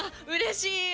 うれしい！